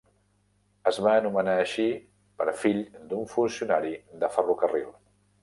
Es va anomenar així pel fill d'un funcionari de ferrocarril.